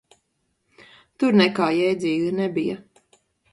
Tur nekā jēdzīga nebija.